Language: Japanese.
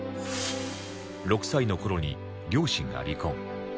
６歳の頃に両親が離婚